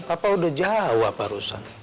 papa udah jawab barusan